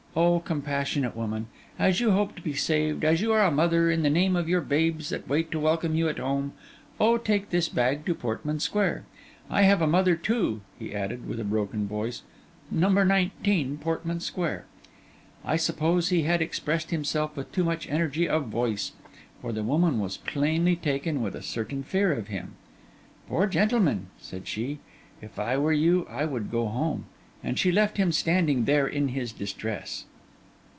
Oh, compassionate woman, as you hope to be saved, as you are a mother, in the name of your babes that wait to welcome you at home, oh, take this bag to Portman Square! I have a mother, too,' he added, with a broken voice. 'Number 19, Portman Square.' I suppose he had expressed himself with too much energy of voice; for the woman was plainly taken with a certain fear of him. 'Poor gentleman!' said she. 'If I were you, I would go home.' And she left him standing there in his distress.